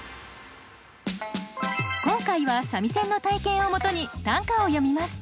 今回は三味線の体験をもとに短歌を詠みます。